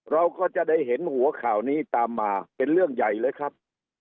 เราก็จะได้เห็นหัวข่าวนี้ตามมาเป็นเรื่องใหญ่เลยครับ